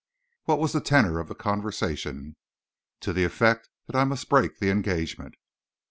"What was the tenor of the conversation?" "To the effect that I must break the engagement."